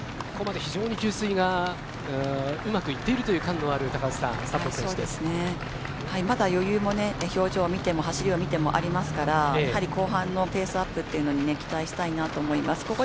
ここまで非常に給水がうまくいっているという感のあるまだ余裕も、表情を見ても走りを見てもありますから後半のペースアップに期待したいなと思います。